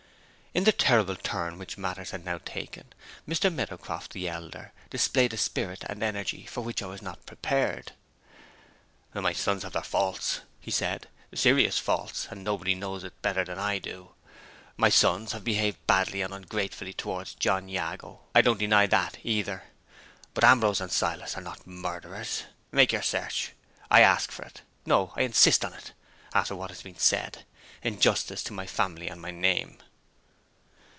In the terrible turn which matters had now taken, Mr. Meadowcroft the elder displayed a spirit and an energy for which I was not prepared. "My sons have their faults," he said, "serious faults; and nobody knows it better than I do. My sons have behaved badly and ungratefully toward John Jago; I don't deny that, either. But Ambrose and Silas are not murderers. Make your search! I ask for it; no, I insist on it, after what has been said, in justice to my family and my name!"